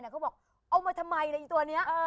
เขาบอกเอามาทำไมในตัวนี้